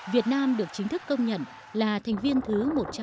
việt nam được chính thức công nhận là thành viên thứ một trăm bốn mươi chín